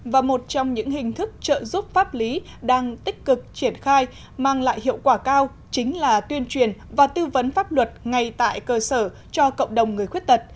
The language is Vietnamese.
và một trong những hình thức trợ giúp pháp lý đang tích cực triển khai mang lại hiệu quả cao chính là tuyên truyền và tư vấn pháp luật ngay tại cơ sở cho cộng đồng người khuyết tật